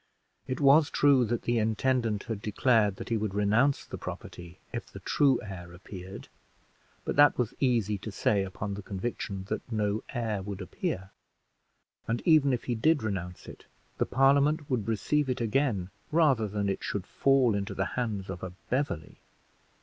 It was true that the intendant had declared that he would renounce the property if the true heir appeared, but that was easy to say upon the conviction that no heir would appear; and even if he did renounce it, the Parliament would receive it again rather than it should fall into the hands of a Beverley.